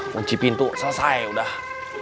kunci pintu selesai udah